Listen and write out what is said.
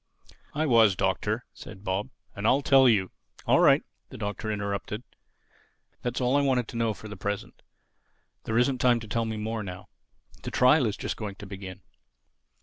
"I was, Doctor," said Bob, "and I tell you—" "All right," the Doctor interrupted, "that's all I want to know for the present. There isn't time to tell me more now. The trial is just going to begin.